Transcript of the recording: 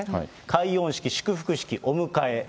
解怨式、祝福式、お迎え。